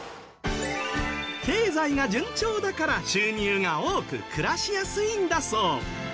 経済が順調だから収入が多く暮らしやすいんだそう。